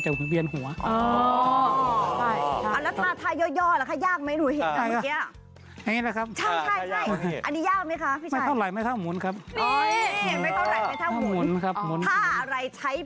จับเต็มหมวดจับพิไส้